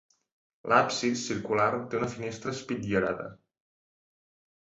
L'absis, circular, té una finestra espitllerada.